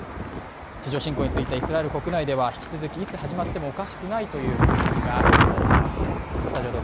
地上侵攻についてイスラエル国内では引き続きいつ始まってもおかしくないという雰囲気が漂っています。